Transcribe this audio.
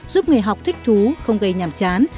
giúp người học thích thú không gây nhàm chán